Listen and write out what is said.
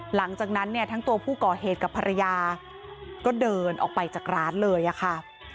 หลังจากนั้นเนี่ยทั้งตัวผู้ก่อเหตุกับภรรยาก็เดินออกไปจากร้านเลยอะค่ะ